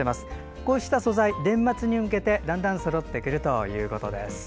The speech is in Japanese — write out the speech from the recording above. こうした素材、年末に向けてだんだんそろってくるということです。